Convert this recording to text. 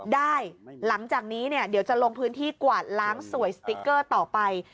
ได้หลังจากนี้เดี๋ยวจะลงพื้นที่กวาดล้างสวยสติ๊กเกอร์ต่อไป